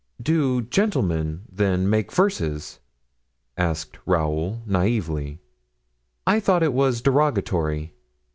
"Do gentlemen, then, make verses?" asked Raoul, naively, "I thought it was derogatory."